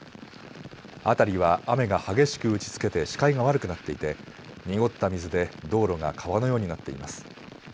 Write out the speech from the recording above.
辺りは雨が激しく打ちつけて視界が悪くなっていて濁った水で道路が川のようになっています。